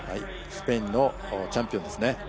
スペインのチャンピオンですね。